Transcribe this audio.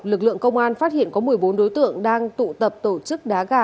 lực lượng công an phát hiện có một mươi bốn đối tượng đang tụ tập tổ chức đá gà